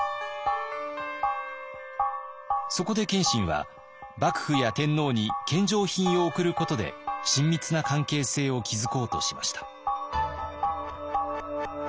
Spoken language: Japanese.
そこで謙信は幕府や天皇に献上品を贈ることで親密な関係性を築こうとしました。